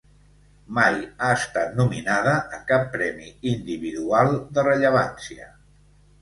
Mai ha estat nominada a cap premi individual de rellevància.